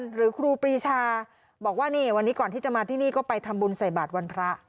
ครูปรีชาบอกว่านี่วันนี้ก่อนที่จะมาที่นี่ก็ไปทำบุญใส่บาทวันพระ